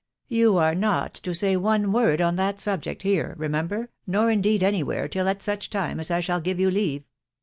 You are not to say one word on that subject here, remember, nor indeed any where, till at such time as I shall give you leave.